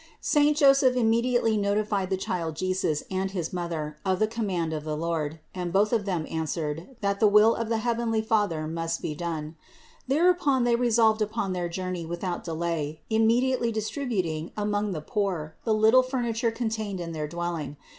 703. Saint Joseph immediately notified the Child Jesus and his Mother of the command of the Lord; and both of them answered, that the will of the heavenly Father must be done. Thereupon they resolved upon their journey without delay, immediately distributing among the poor the little furniture contained in their dwelling.